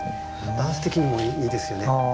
ダンス的にもいいですよね。